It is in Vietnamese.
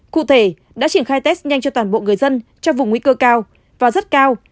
cụ thể đã triển khai test nhanh cho toàn bộ người dân trong vùng nguy cơ cao và rất cao